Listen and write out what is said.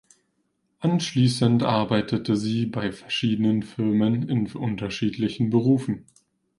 Anschließend arbeitete sie bei verschiedenen Firmen in unterschiedlichen Berufen.